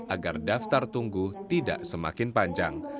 agar daftar tunggu tidak semakin panjang